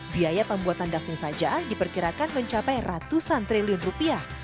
biaya pembuatan dupn saja diperkirakan mencapai ratusan triliun rupiah